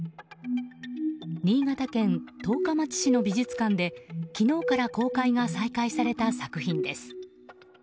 新潟県十日町市の美術館で昨日から公開が再開された作品です。